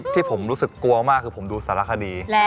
ที่ผมรู้สึกกลัวมากคือผมดูสารคดี